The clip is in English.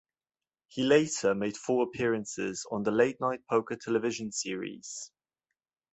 He later made four appearances on the Late Night Poker television series.